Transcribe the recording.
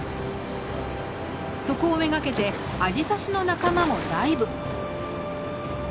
そこを目がけてアジサシの仲間もダイブ。